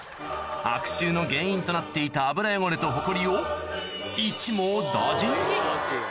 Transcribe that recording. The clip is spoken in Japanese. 悪臭の原因となっていた油汚れとホコリを一網打尽に！